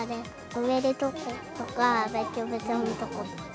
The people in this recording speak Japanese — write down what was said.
植えるところとか、べちょべちょのとこ。